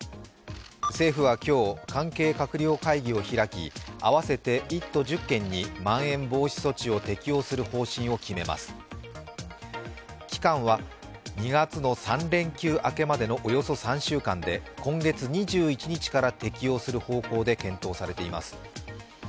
政府は今日、関係閣僚会議を開き合わせて１都１０県にまん延防止等重点措置を期間は２月の３連休明けまでのおよそ３週間で今月２１日から適用する方向で検討されています。